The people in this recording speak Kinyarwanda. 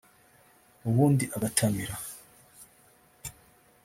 ubundi agatamira